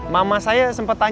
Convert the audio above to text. mama saya sempat berjalan